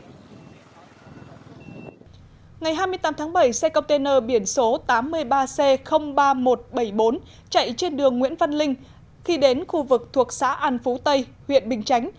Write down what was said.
ngày hai mươi tám tháng bảy xe container biển số tám mươi ba c ba nghìn một trăm bảy mươi bốn chạy trên đường nguyễn văn linh khi đến khu vực thuộc xã an phú tây huyện bình chánh